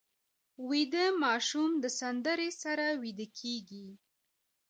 ویده ماشوم د سندرې سره ویده کېږي